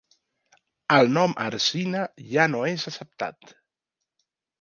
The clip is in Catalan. El nom arsina ja no és acceptat.